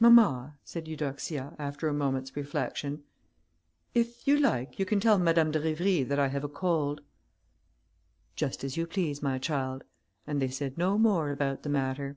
"Mamma," said Eudoxia, after a moment's reflection, "if you like, you can tell Madame de Rivry that I have a cold." "Just as you please, my child," and they said no more about the matter.